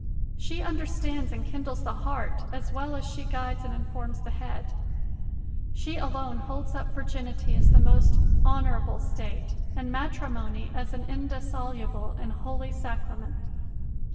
She understands and kindles the heart as well as she guides and informs the head. She alone holds up virginity as the most honourable state and matrimony as an indissoluble and holy Sacrament.